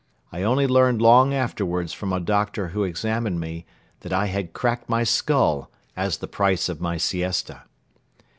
I only learned long afterwards from a doctor who examined me that I had cracked my skull as the price of my siesta.